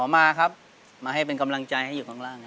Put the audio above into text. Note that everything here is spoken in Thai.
มาครับมาให้เป็นกำลังใจให้อยู่ข้างล่าง